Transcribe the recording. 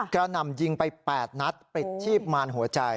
กระหนำยิงไปแปดนัดปิดชีพมารหัวใจ